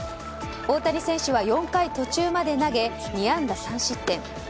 大谷選手は４回途中まで投げ２安打３失点。